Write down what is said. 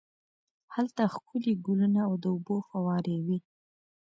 هلته ښکلي ګلونه او د اوبو فوارې وې.